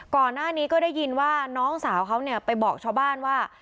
ก่อนหน้านี้ก็ได้ยินว่าน้องสาวเขาเนี่ยไปบอกชาวบ้านว่า